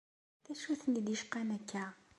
D acu i ten-id-icqan akka?